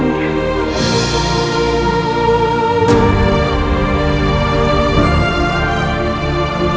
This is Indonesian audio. ibu dia tidak ingin kehilangan satu satu dari kalian